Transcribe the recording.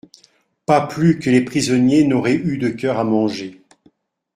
Pas plus que les prisonniers n'auraient eu de coeur à manger.